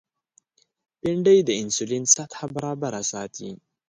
بېنډۍ د انسولین سطحه برابره ساتي